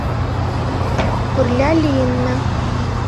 Пырля лийынна.